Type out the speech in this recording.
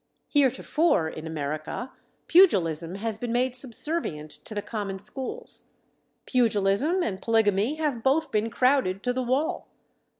Heretofore, in America, pugilism has been made subservient to the common schools. Pugilism and polygamy have both been crowded to the wall.